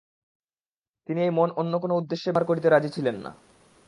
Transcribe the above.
তিনি এই মন অন্য কোন উদ্দেশ্যে ব্যবহার করিতে রাজী ছিলেন না।